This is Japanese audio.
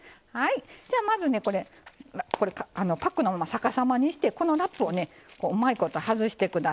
じゃあまずねこれパックのまま逆さまにしてこのラップをねうまいこと外して下さい。